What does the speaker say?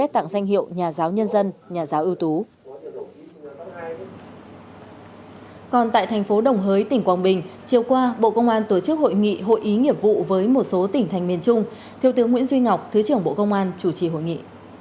còn tại thành phố đồng hới tỉnh quảng bình chiều qua bộ công an tổ chức hội nghị hội ý nghiệp vụ với một số tỉnh thành miền trung thiếu tướng nguyễn duy ngọc thứ trưởng bộ công an chủ trì hội nghị